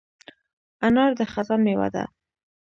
انار د خزان مېوه ده.